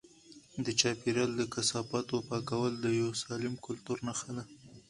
د چاپیریال د کثافاتو پاکول د یو سالم کلتور نښه ده.